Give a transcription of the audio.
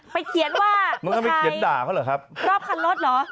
ไปเขียนว่าผู้ชายรอบคันรถเหรอมึงก็ไม่เขียนด่าเขาเหรอครับ